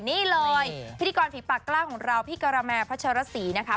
นี่เลยพิธีกรฝีปากกล้าของเราพี่การาแมพัชรสีนะคะ